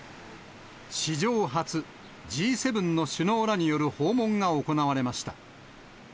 史上初、Ｇ７の首脳らによる訪問が行われました。